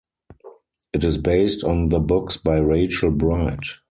It is based on the books by Rachel Bright.